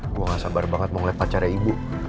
gue gak sabar banget mau ngeliat pacarnya ibu